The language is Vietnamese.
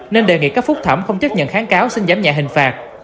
nên đề nghị các phục thẩm không chấp nhận kháng cáo xin giám nhạc hình phạt